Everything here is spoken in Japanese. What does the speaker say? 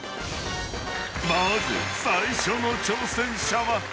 ［まず最初の挑戦者は］